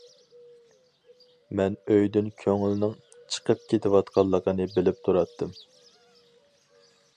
مەن ئۆيدىن كۆڭۈلنىڭ چىقىپ كېتىۋاتقانلىقىنى بىلىپ تۇراتتىم.